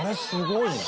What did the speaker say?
すごい。